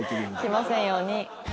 来ませんように。